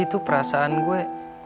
itu perasaan gue